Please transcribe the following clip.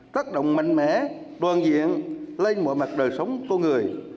tác động mạnh mẽ toàn diện lên mọi mặt đời sống con người